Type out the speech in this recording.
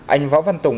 anh võ văn tùng